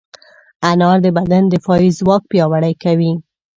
انار د بدن دفاعي ځواک پیاوړی کوي.